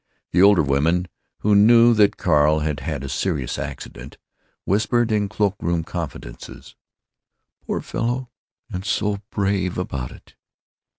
The older women, who knew that Carl had had a serious accident, whispered in cloak room confidences, "Poor fellow, and so brave about it."